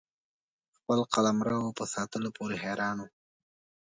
خپل قلمرو په ساتلو پوري حیران وو.